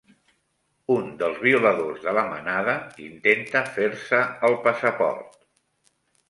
Un dels violadors de la Manada intenta fer-se el passaport